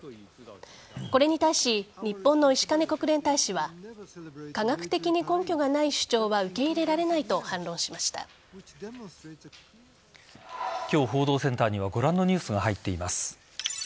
これに対し日本の石兼国連大使は科学的に根拠がない主張は受け入れられないと反論しました今日、報道センターにはご覧のニュースが入っています。